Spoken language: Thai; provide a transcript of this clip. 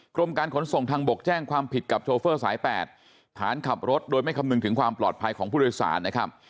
กรมการขนส่งทางบกแจ้งความผิดกับโชเฟอร์สาย๘ฐานขับรถโดยไม่คำนึงถึงความปลอดภัยของผู้โดยสารนะครับ